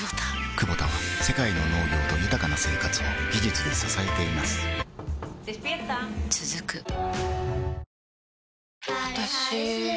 クボタは世界の農業と豊かな生活を技術で支えています起きて。